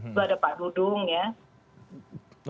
itu ada pak dudung ya